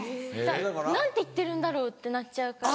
何て言ってるんだろう？ってなっちゃうから。